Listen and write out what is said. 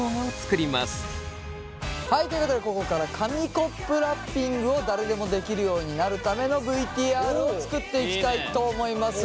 ということでここから紙コップラッピングを誰でも出来るようになるためのＶＴＲを作っていきたいと思います。